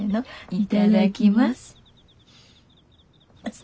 いただきます。